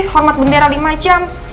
hormat bendera lima jam